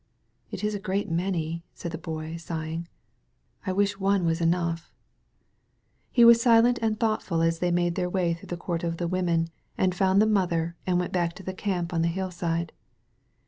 "It is a great many," said the Boy, sighing. "I wish one was endugfa." He was silent and thougihtful as they made their way through the Court ci the Women and found the mother and went back to the camp on the hill side.